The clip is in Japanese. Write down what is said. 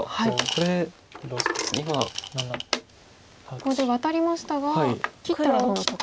ここでワタりましたが切ったらどうなったか。